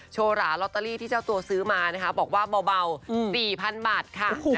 โชว์หราลอตเตอรี่ที่เจ้าตัวซื้อมานะคะบอกว่าเบา๔๐๐๐บาทค่ะ